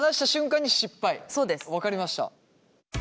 分かりました。